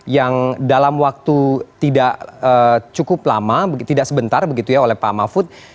yang dalam waktu tidak cukup lama tidak sebentar begitu ya oleh pak mahfud